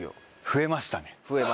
増えました。